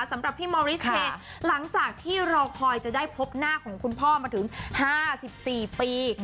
สำหรับพี่มอริสเพลหลังจากที่รอคอยจะได้พบหน้าของคุณพ่อมาถึง๕๔ปี